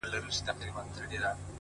خپه وې چي وړې ـ وړې ـوړې د فريادي وې ـ